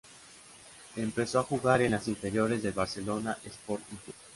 Empezó a jugar en las inferiores del Barcelona Sporting Club.